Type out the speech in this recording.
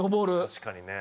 確かにね。